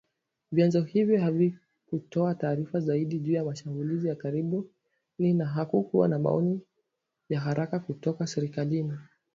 Vyanzo hivyo havikutoa taarifa zaidi juu ya shambulizi la karibuni na hakukuwa na maoni ya haraka kutoka serikalini.